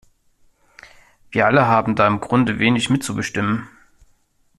Wir alle haben da im Grunde wenig mitzubestimmen.